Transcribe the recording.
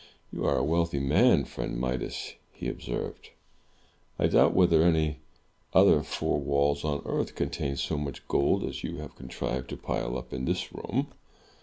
"You are a wealthy man, friend Midas!*' he observed. I doubt whether any other four walls on earth, contain so much gold as you have contrived to pile up in this room."